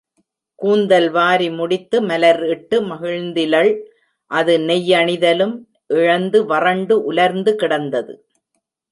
கூந்தல் வாரி முடித்து மலர் இட்டு மகிழ்ந்திலள் அது நெய்யணிதலும் இழந்து வறண்டு உலர்ந்து கிடந்தது.